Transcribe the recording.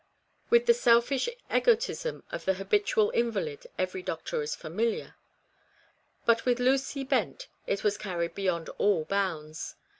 REBECCAS REMORSE. 219 With the selfish egotism of the habitual invalid every doctor is familiar ; but with Lucy Bent it was carried beyond all bounds.